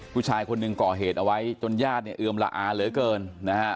ผู้ชายคนหนึ่งก่อเหตุเอาไว้จนญาติเนี่ยเอือมละอาเหลือเกินนะฮะ